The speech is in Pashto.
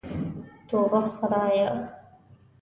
توبه خدايه.